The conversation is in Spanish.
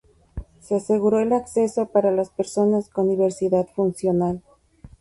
Se aseguró el acceso para las personas con diversidad funcional.